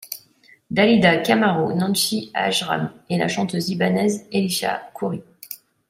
Dalida, K-maro, Nancy Ajram et la chanteuse libanaise Elissa Khoury.